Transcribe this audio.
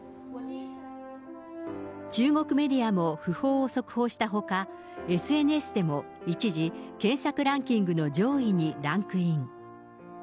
中国メディアも訃報を速報したほか、ＳＮＳでも一時、検索ランキングの上位にランクイン。